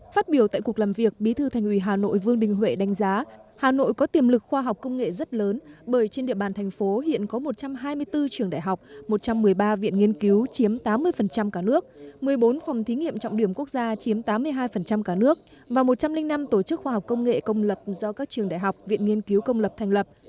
phát biểu tại cuộc làm việc bí thư thành ủy hà nội vương đình huệ đánh giá hà nội có tiềm lực khoa học công nghệ rất lớn bởi trên địa bàn thành phố hiện có một trăm hai mươi bốn trường đại học một trăm một mươi ba viện nghiên cứu chiếm tám mươi cả nước một mươi bốn phòng thí nghiệm trọng điểm quốc gia chiếm tám mươi hai cả nước và một trăm linh năm tổ chức khoa học công nghệ công lập do các trường đại học viện nghiên cứu công lập thành lập